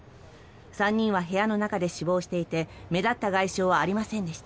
３人は部屋の中で死亡していて目立った外傷はありませんでした。